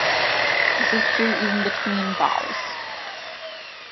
This is true even between vowels.